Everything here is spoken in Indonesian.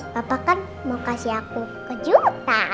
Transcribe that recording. bapak kan mau kasih aku kejutan